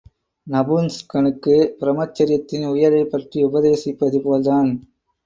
நபும்ஸ்கனுக்கு பிரமச்சரியத்தின் உயர்வைப் பற்றி உபதேசிப்பது போல்தான்.